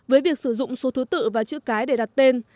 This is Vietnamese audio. với việc sử dụng số thứ tự và chữ cái để đặt tên